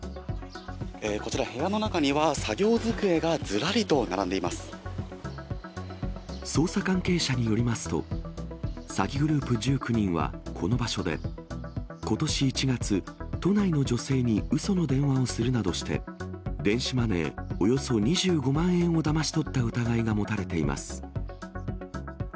こちら、部屋の中には、捜査関係者によりますと、詐欺グループ１９人はこの場所で、ことし１月、都内の女性にうその電話をするなどして、電子マネーおよそ２５万円をだまし取った疑いが持たれています。